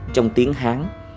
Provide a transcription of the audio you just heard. trong tiếng hán